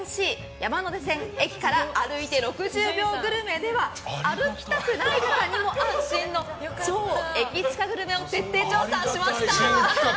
山手線駅から歩いて６０秒グルメでは歩きたくない人にも安心の超駅近グルメをありがたい新企画！